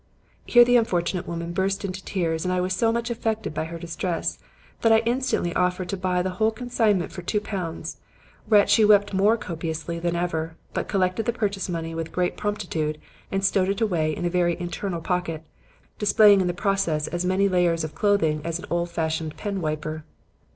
Here the unfortunate woman burst into tears and I was so much affected by her distress that I instantly offered to buy the whole consignment for two pounds, whereat she wept more copiously than ever, but collected the purchase money with great promptitude and stowed it away in a very internal pocket, displaying in the process as many layers of clothing as an old fashioned pen wiper.